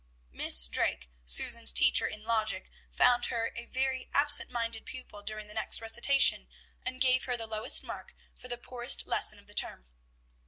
Miss Drake, Susan's teacher in logic, found her a very absent minded pupil during the next recitation, and gave her the lowest mark for the poorest lesson of the term.